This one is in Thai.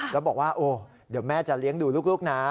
แล้วบอกว่าโอ้เดี๋ยวแม่จะเลี้ยงดูลูกนะ